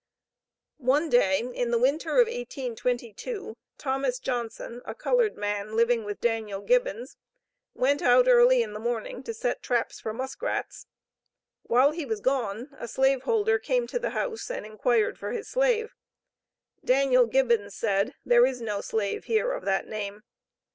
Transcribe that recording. One day, in the winter of 1822, Thomas Johnson, a colored man, living with Daniel Gibbons, went out early in the morning, to set traps for muskrats. While he was gone, a slave holder came to the house and inquired for his slave. Daniel Gibbons said: "There is no slave here of that name."